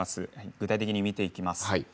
具体的に見ていきます。